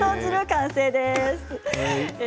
完成です。